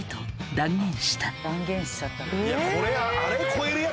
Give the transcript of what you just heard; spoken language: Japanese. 断言しちゃったんだ。